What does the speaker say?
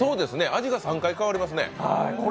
味が３回変わりますね。